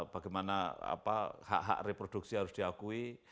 bagaimana hak hak reproduksi harus diakui